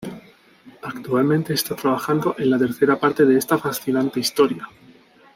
Actualmente está trabajando en la tercera parte de esta fascinante historia.